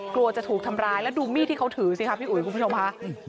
กลัวจะถูกทำร้ายแล้วดูมีดที่เขาถือสิคะพี่อุ๋ยคุณผู้ชมค่ะ